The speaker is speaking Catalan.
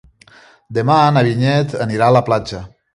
Demà na Vinyet anirà a la platja.